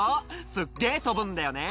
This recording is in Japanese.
「すっげぇ飛ぶんだよね」